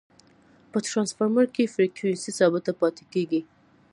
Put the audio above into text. په ټرانسفرمر کی فریکوینسي ثابته پاتي کیږي.